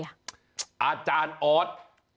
แต่สุดท้ายก็อยากจะได้คำตอบเหมือนกันต้องถามใคร